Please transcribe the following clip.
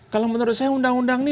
kalau menurut saya undang undang ini